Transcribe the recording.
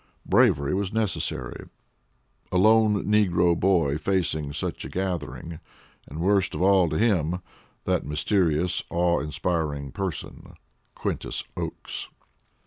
Bravery was necessary. A lone negro boy facing such a gathering, and worst of all to him that mysterious, awe inspiring person, Quintus Oakes!